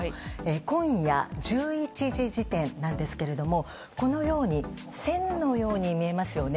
今夜１１時時点なんですけれども、このように線のように見えますよね。